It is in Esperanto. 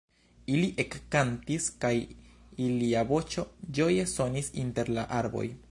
Ili ekkantis, kaj ilia voĉo ĝoje sonis inter la arboj.